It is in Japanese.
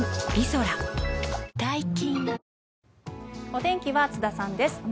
お天気は津田さんです